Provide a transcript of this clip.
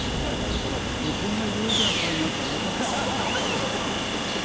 いやこんな有意義な回になるとは思わなかった。